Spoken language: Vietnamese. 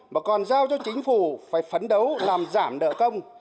mà còn giao cho chính phủ phải phấn đấu làm giảm nợ công